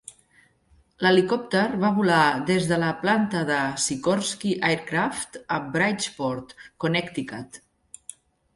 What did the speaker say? L'helicòpter va volar des de la planta de Sikorsky Aircraft a Bridgeport, Connecticut.